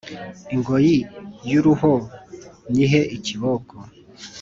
ingoyi y'umuruho nyihe ikiboko